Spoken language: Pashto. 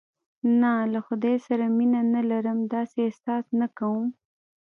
نه، له خدای سره مینه نه لرم، داسې احساس نه کوم.